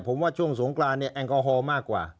ผมว่าช่วงสงกรานเนี่ยแอลกอฮอล์มากกว่า